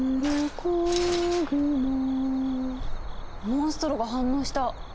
モンストロが反応した！